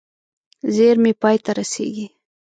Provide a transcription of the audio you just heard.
زېرمې پای ته رسېږي.